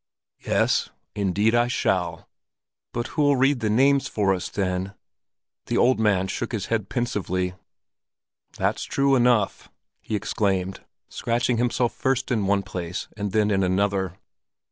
"Yes, indeed I shall!" "But who'll read the names for us then?" The old man shook his head pensively. "That's true enough!" he exclaimed, scratching himself first in one place and then in another.